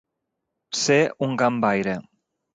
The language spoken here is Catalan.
Ser un gambaire.